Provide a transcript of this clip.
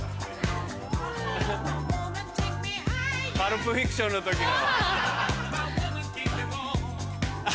『パルプ・フィクション』の時の。